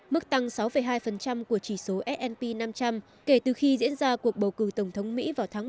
mức tăng sáu hai của chỉ số s p năm trăm linh kể từ khi diễn ra cuộc bầu cử tổng thống mỹ vào tháng một mươi một năm hai nghìn một mươi sáu